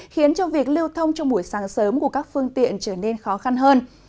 khiến cho việc lưu thông trong buổi sáng sớm của các phương tiện trở nên khó khăn hơn